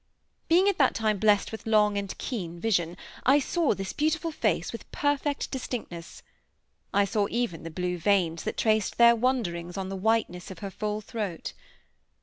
Being at that time blessed with long and keen vision, I saw this beautiful face with perfect distinctness. I saw even the blue veins that traced their wanderings on the whiteness of her full throat.